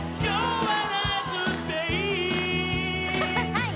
はい